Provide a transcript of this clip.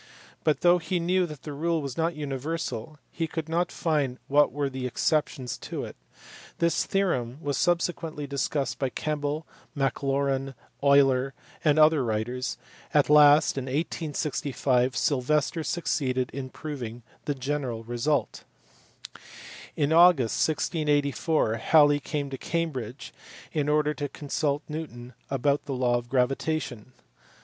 But though he knew that the rule was not universal he could o not find what were the exceptions to it : this theorem was subsequently discussed by Campbell, Maclaurin, Euler, and other writers ; at last in 1865 Sylvester succeeded in proving the general result*. In August 1684, Halley came to Cambridge in order to consult Newton about the law of gravitation.